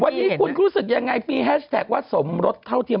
วันนี้คุณรู้สึกยังไงมีแฮชแท็กว่าสมรสเท่าเทียม